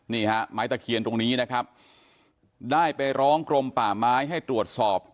นี่ฮะไม้ตะเคียนตรงนี้นะครับได้ไปร้องกรมป่าไม้ให้ตรวจสอบ